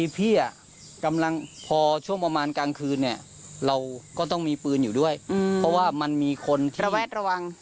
เพราะว่าปืนมันอยู่ในบ้านที่อื้ม